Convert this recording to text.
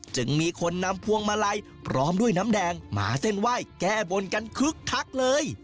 จึงมีคนนำพวงมาลัยพร้อมด้วยน้ำแดงมาเส้นไหว้แก้บนกันคึกคักเลย